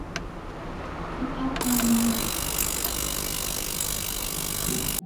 سبقت ممنوع!